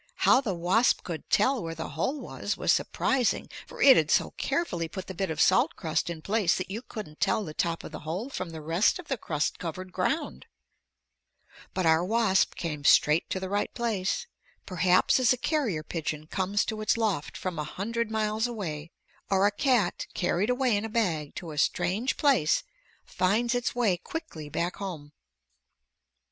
How the wasp could tell where the hole was, was surprising, for it had so carefully put the bit of salt crust in place that you couldn't tell the top of the hole from the rest of the crust covered ground. But our wasp came straight to the right place. Perhaps as a carrier pigeon comes to its loft from a hundred miles away, or a cat carried away in a bag to a strange place finds its way quickly back home.